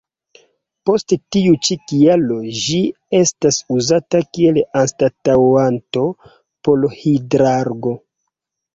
Por tiu ĉi kialo ĝi estas uzata kiel anstataŭanto por Hidrargo.